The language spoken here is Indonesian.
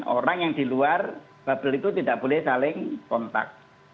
orang yang di luar bubble itu tidak boleh saling kontak